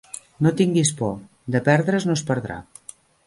No tinguis por: de perdre's no es perdrà.